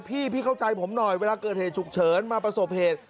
พี่พี่เข้าใจผมหน่อยเวลาเกิดเหตุฉุกเฉินมาประสบเหตุ